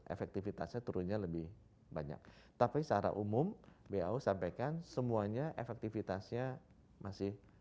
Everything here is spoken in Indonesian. efektivitasnya turunnya lebih banyak tapi secara umum bau sampaikan semuanya efektivitasnya masih